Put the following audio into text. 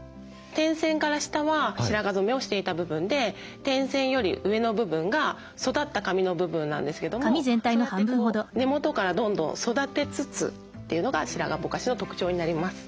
点線から下は白髪染めをしていた部分で点線より上の部分が育った髪の部分なんですけどもそうやって根元からどんどん育てつつというのが白髪ぼかしの特徴になります。